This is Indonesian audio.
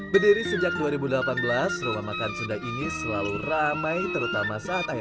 berdiri sejak dua ribu delapan belas rumah makan sunda ini selalu ramai terutama saat air